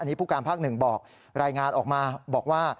อันนี้ผู้การภาคหนึ่งบอกรายงานออกมาบอกว่า